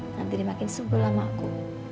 nanti dia makin sebel sama aku